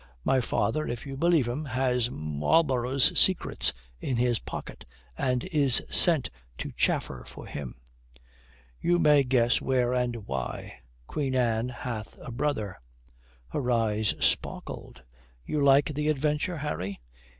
"My father, if you believe him, has Marlborough's secrets in his pocket and is sent to chaffer for him. You may guess where and why. Queen Anne hath a brother." Her eyes sparkled. "You like the adventure, Harry?"